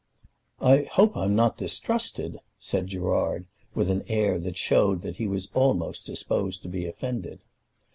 "I hope I'm not distrusted," said Gerard, with an air that showed that he was almost disposed to be offended.